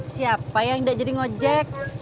siapa yang tidak jadi ngojek